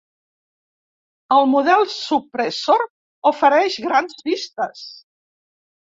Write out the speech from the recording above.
El model Suppressor ofereix grans vistes.